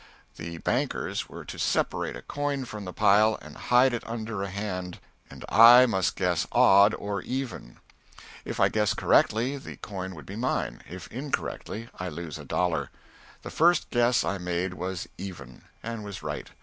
The bankers were to separate a coin from the pile and hide it under a hand, and I must guess "odd" or "even." If I guessed correctly, the coin would be mine; if incorrectly, I lost a dollar. The first guess I made was "even," and was right.